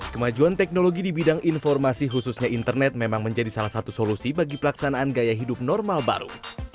kemajuan teknologi di bidang informasi khususnya internet memang menjadi salah satu solusi bagi pelaksanaan gaya hidup normal baru